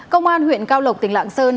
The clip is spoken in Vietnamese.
công an huyện cao lộc tỉnh lạng sơn